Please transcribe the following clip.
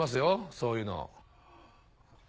そういうの。